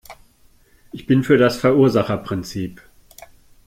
Ich bin für das Verursacherprinzip.